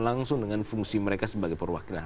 langsung dengan fungsi mereka sebagai perwakilan